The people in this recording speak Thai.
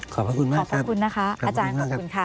พระคุณมากขอบพระคุณนะคะอาจารย์ขอบคุณค่ะ